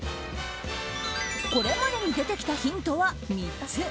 これまでに出てきたヒントは３つ。